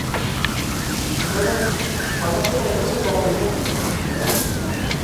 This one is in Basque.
Ondoren, banaketa enpresetara bidaltzen zituzten.